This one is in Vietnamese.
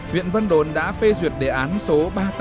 huyện vân đồn đã phê duyệt đề án số ba nghìn tám trăm tám mươi chín